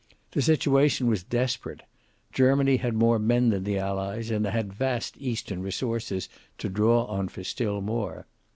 The situation was desperate. Germany had more men than the Allies, and had vast eastern resources to draw on for still more.